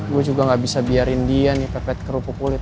gue juga gak bisa biarin dia nih pepet kerupuk kulit